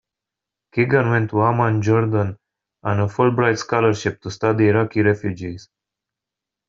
Keegan went to Amman, Jordan, on a Fulbright scholarship to study Iraqi refugees.